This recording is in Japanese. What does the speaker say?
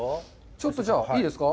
ちょっと、じゃあ、いいですか？